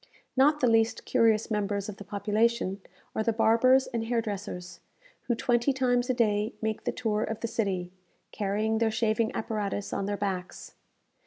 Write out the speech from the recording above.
Not the least curious members of the population are the barbers and hair dressers, who twenty times a day make the tour of the city, carrying their shaving apparatus on their backs.